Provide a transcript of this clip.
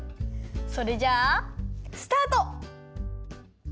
それじゃあスタート！